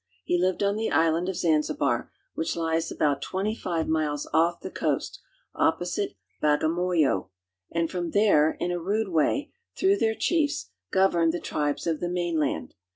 He lived on the island of Zanzibar, which lies about twenty five miles off the coast, opposite Bagamoyo, and from there, in a rude way, through their chiefs, governed the tribes of the mainland.